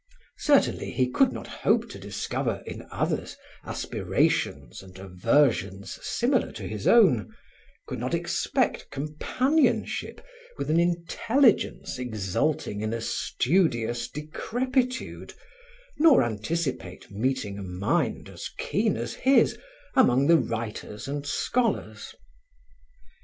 Certainly, he could not hope to discover in others aspirations and aversions similar to his own, could not expect companionship with an intelligence exulting in a studious decrepitude, nor anticipate meeting a mind as keen as his among the writers and scholars.